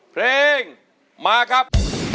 เพลงมาครับ